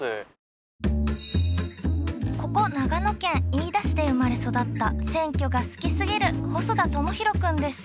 ここ長野県飯田市で生まれ育った選挙が好きすぎる細田朋宏くんです。